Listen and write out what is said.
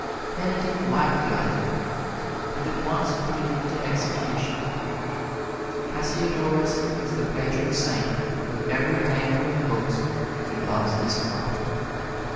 Benedict liked the idea, and at once put it into execution. Cassiodorus is the patron saint of every maker of books who loves his craft.